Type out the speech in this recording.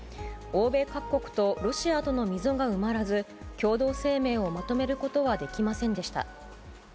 欧米各国とロシアとの溝が埋まらず、共同声明をまとめることはできませんでした。